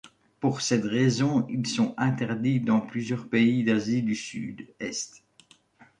Pour cette raison, ils sont interdits dans plusieurs pays d'Asie du Sud-Est.